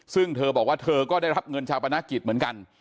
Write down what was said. ซึ่งเธอบอกว่าเธอก็ได้รับเงินชาปนกิจเหมือนกัน